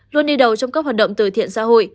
luôn đi đầu trong các hoạt động từ thiện xã hội